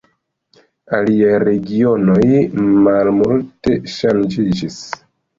Aliaj regionoj malmulte ŝanĝiĝis.